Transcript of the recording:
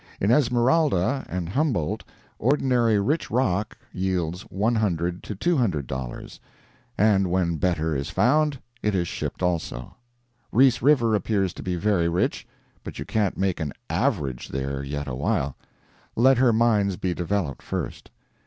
In Esmeralda and Humboldt, ordinary "rich rock" yields $100 to $200, and when better is found, it is shipped also. Reese River appears to be very rich, but you can't make an "average" there yet awhile; let her mines be developed first.